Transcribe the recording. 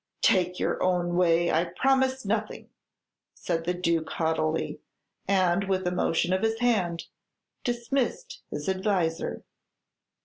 "Take your own way; I promise nothing," said the Duke, haughtily; and, with a motion of his hand, dismissed his adviser.